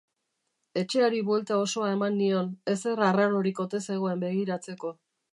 Etxeari buelta osoa eman nion, ezer arrarorik ote zegoen begiratzeko.